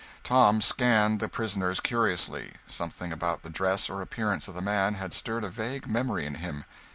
Tom scanned the prisoners curiously. Something about the dress or appearance of the man had stirred a vague memory in him.